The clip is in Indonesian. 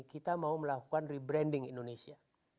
kita mau melakukan rebranding indonesia